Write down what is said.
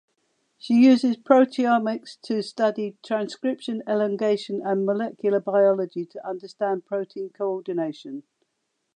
She uses proteomics to study transcription elongation and molecular biology to understand protein coordination.